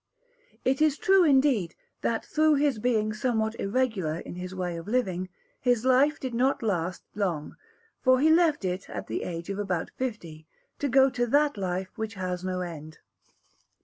It is true, indeed, that through his being somewhat irregular in his way of living, his life did not last long; for he left it at the age of about fifty, to go to that life which has no end.